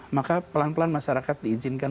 maka pelan pelan masyarakat diizinkan